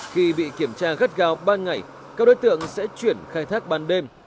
khi bị kiểm tra gắt gào ban ngày các đối tượng sẽ chuyển khai thác ban đêm